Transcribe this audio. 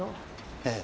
ええ。